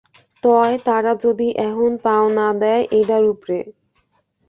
তয়, তারা যদি এহন পাও না দেয় এইডার উপ্রে?